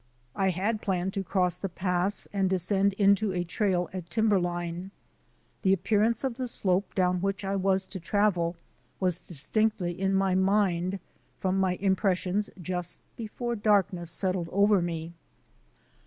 I had planned to cross the pass and descend into a trail at timberline. The appearance of the slope down which I was to travel was distinctly in my mind from my impressions just before darkness settled over me.